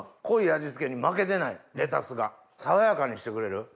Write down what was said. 濃い味付けに負けてないレタスが爽やかにしてくれる。